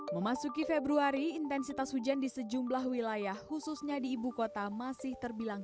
memasuki februari intensitas hujan di sejumlah wilayah khususnya di ibu kota masih terbilang